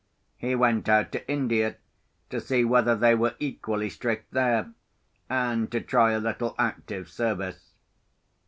He went out to India to see whether they were equally strict there, and to try a little active service.